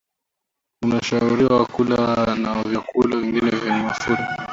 unashauriwa kula na vyakula vingine vyenye mafuta